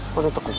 seony bantoh maja